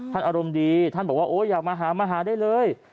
อารมณ์ดีท่านบอกว่าโอ้อยากมาหามาหาได้เลย